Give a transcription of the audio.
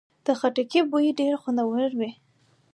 د خټکي بوی ډېر خوندور وي.